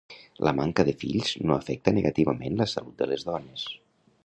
La manca de fills no afecta negativament la salut de les dones.